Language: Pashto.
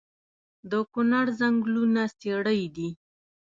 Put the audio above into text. د کونړ ځنګلونه څیړۍ دي